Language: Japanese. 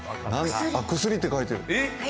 薬って書いてある。